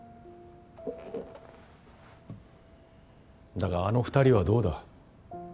だがあの２人はどうだ？